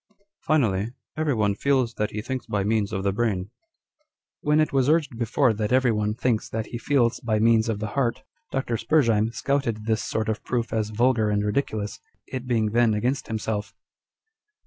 " Finally, every one feels that he thinks by means of the brain." * When it was urged before, that every one thinks that he feels by means of the heart, Dr. Spurzheim scouted this sort of proof as vulgar and ridiculous, it being then against himself.